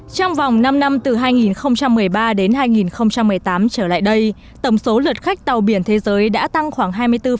trong vòng năm năm từ hai nghìn một mươi ba đến hai nghìn một mươi tám trở lại đây tổng số lượt khách tàu biển thế giới đã tăng khoảng hai mươi bốn